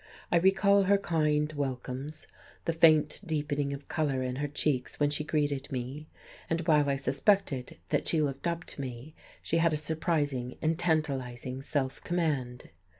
I recall her kind welcomes, the faint deepening of colour in her cheeks when she greeted me, and while I suspected that she looked up to me she had a surprising and tantalizing self command.